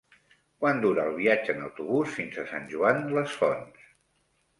Quant dura el viatge en autobús fins a Sant Joan les Fonts?